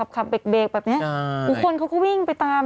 แบบนี้คนเขาก็วิ่งไปตาม